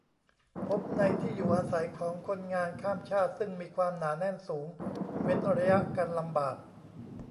พบในที่อยู่อาศัยของคนงานข้ามชาติ ซึ่งมีความหนาแน่นสูง เว้นระยะกันลำบาก